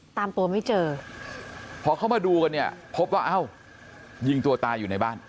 ตามตัวไม่เจอพอเข้ามาดูกันเนี่ยพบว่าเอ้ายิงตัวตายอยู่ในบ้าน